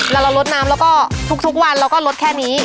แล้วเราลดน้ำแล้วก็ทุกวันเราก็ลดแค่นี้